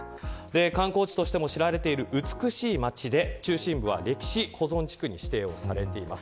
観光地としても知られている美しい町で中心部は歴史保存地区に指定されています。